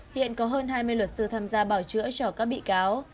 hiện có hơn hai mươi luật sư tham gia bảo chữa cho các bị cáo